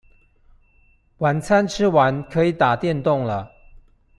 晚餐吃完可以打電動了